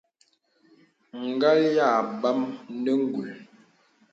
Ngàl yā àbam nə ngùl.